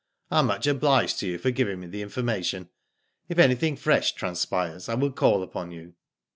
"I am much obliged to you for giving me the information. If anything fresh trans pires I will call upon you."